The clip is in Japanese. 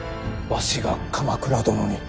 わしが鎌倉殿に。